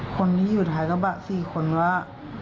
คนที่อยู่ท้ายก็บ้าง๔คนว่า